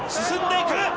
進んでいく！